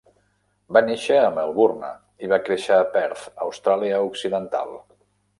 Va néixer a Melbourne i va créixer a Perth, Austràlia Occidental.